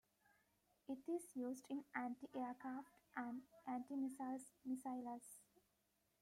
It is used in anti-aircraft and anti-missile missiles.